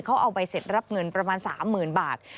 เขาเอาใบเสร็จรับเงินประมาณ๓๐๐๐บาท